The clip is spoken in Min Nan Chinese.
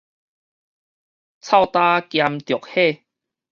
臭焦兼著火